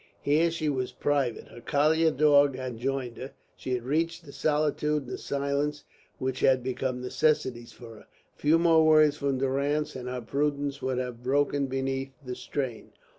Here she was private; her collie dog had joined her; she had reached the solitude and the silence which had become necessities to her. A few more words from Durrance and her prudence would have broken beneath the strain.